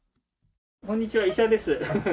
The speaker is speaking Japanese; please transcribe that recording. こんにちは、医者です。